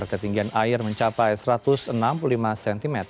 ketinggian air mencapai satu ratus enam puluh lima cm